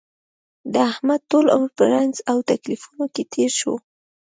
د احمد ټول عمر په رنځ او تکلیفونو کې تېر شو.